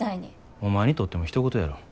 お前にとってもひと事やろ。